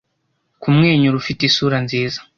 Kumwenyura ufite isura nziza